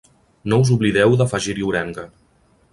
No us oblideu d'afegir-hi orenga.